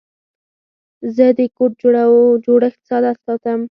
زه د کوډ جوړښت ساده ساتم.